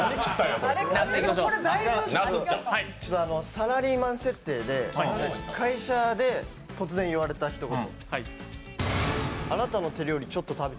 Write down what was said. サラリーマン設定で会社で突然言われたひと言。